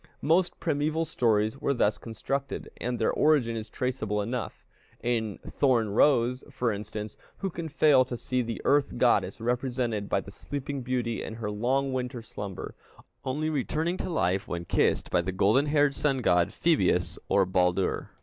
Most primeval stories were thus constructed, and their origin is traceable enough. In Thorn rose, for instance, who can fail to see the earth goddess represented by the sleeping beauty in her long winter slumber, only returning to life when kissed by the golden haired sun god Phœbus or Baldur?